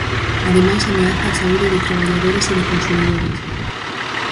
Ademais, ameaza a saúde de traballadores e de consumidores.